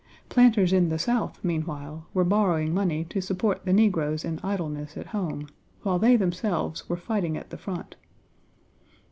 Planters in the South, meanwhile, were borrowing money to support the negroes in idleness at home, while they themselves were fighting at the front.